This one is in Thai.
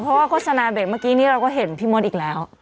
เพราะว่าโฆษณาเบรกเมื่อกี้นี้เราก็เห็นพี่มดอีกแล้ว